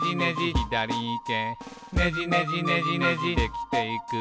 「ねじねじねじねじできていく」